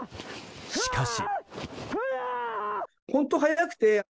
しかし。